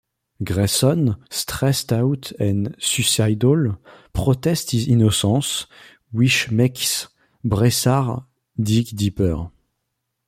Grayson, stressed out and suicidal, protests his innocence, which makes Bressard dig deeper.